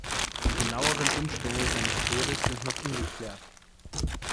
Die genaueren Umstände seines Todes sind noch ungeklärt.